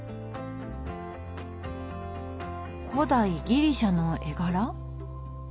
古代ギリシャの絵柄？